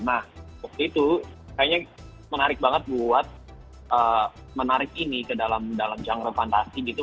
nah waktu itu kayaknya menarik banget buat menarik ini ke dalam genre fantasi gitu